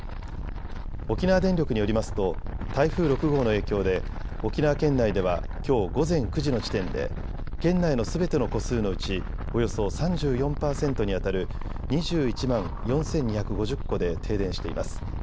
沖縄電力によりますと台風６号の影響で沖縄県内ではきょう午前９時の時点で県内のすべての戸数のうちおよそ３４％にあたる２１万４２５０戸で停電しています。